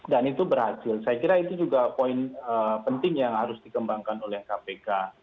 dan itu berhasil saya kira itu juga poin penting yang harus dikembangkan oleh kpk